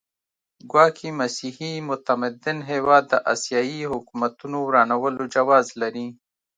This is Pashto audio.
ګواکې مسیحي متمدن هېواد د اسیایي حکومتونو ورانولو جواز لري.